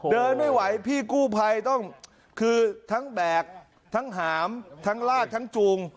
เดินไม่ไหวพี่กู้ภัยต้องคือทั้งแบกทั้งหามทั้งลากทั้งจูง